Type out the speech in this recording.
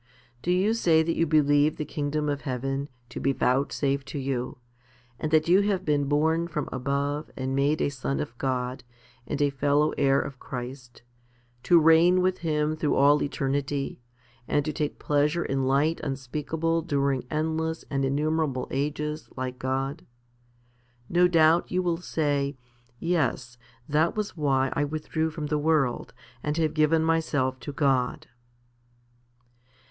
Do you say that you believe the kingdom of heaven to be vouchsafed to you, and that you have been born from above and made a son of God, and a fellow heir of Christ, to reign with Him through all eternity, and to take pleasure in light unspeakable during endless and innumerable ages like God? No doubt you will say, "Yes; that was why I withdrew from the world and have given myself to God."